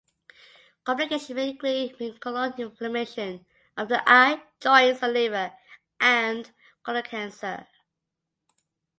Complications may include megacolon, inflammation of the eye, joints, or liver, and colon cancer.